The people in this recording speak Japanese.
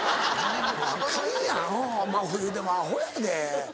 アカンやん真冬でもアホやで。